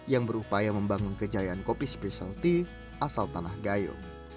yang berupaya membangun kejayaan kopi spesialty asal tanah gayo